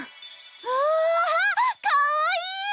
うわかわいい！